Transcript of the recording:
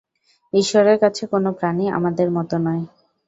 ঈশ্বরের কাছে কোন প্রাণী আমাদের মতো নয়।